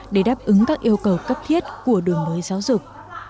để đáp ứng các yêu cầu cấp thiết của đổi mới giáo dục